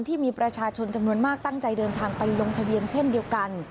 ที่มีประชาชนจำนวนมากตั้งใจเดินทางไปลงทะเบียนเช่นเดียวกัน